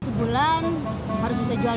sebulan harus bisa jual